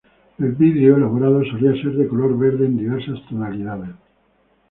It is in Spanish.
El vidrio elaborado solía ser de color verde en diversas tonalidades.